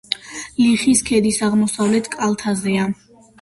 ლიხის ქედის აღმოსავლეთ კალთაზე.